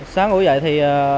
sáng hồi dậy thì